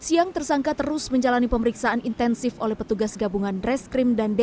siang tersangka terus menjalani pemeriksaan intensif oleh petugas gabungan reskrim dan